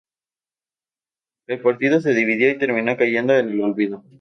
El partido se dividió y terminó cayendo en el olvido.